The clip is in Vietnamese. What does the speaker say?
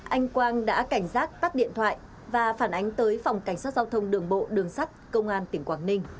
anh quang đã cảnh giác tắt điện thoại và phản ánh tới phòng cảnh sát giao thông đường bộ đường sắt công an tỉnh quảng ninh